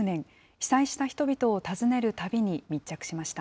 被災した人々を訪ねる旅に密着しました。